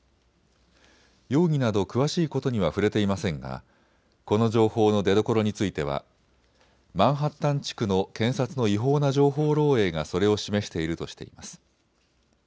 容疑など詳しいことには触れていませんがこの情報の出どころについてはマンハッタン地区の検察の違法な情報漏えいがそれを示しているとしています。